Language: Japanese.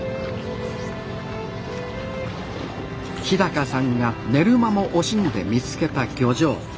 日さんが寝る間も惜しんで見つけた漁場。